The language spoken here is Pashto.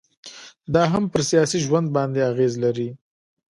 دا هم پر سياسي ژوند باندي اغيزي لري